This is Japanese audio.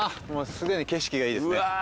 すでに景色がいいですねうわ